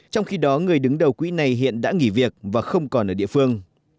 trong khi đó người đứng đầu quỹ này hiện đã nghỉ việc và không còn ở địa phương